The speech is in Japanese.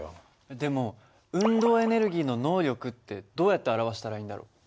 でも運動エネルギーの能力ってどうやって表したらいいんだろう？